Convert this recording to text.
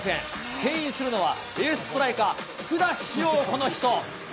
けん引するのは、エースストライカー、福田師王、その人。